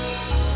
terima kasih pak